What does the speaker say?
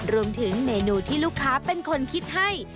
รวมถึงเมนูที่ลูกค้าเป็นคนคิดให้